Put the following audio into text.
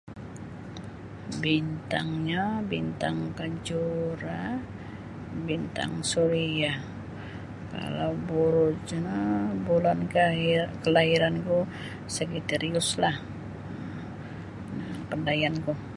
Bintangnyo bintang kajura bintang suria kalau buruj no bulan keahir-kelahiran ku sagitariuslah kapandaian ku.